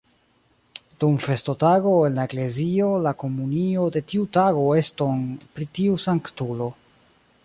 Dum festotago, en la eklezio la komunio de tiu tago eston pri tiu sanktulo.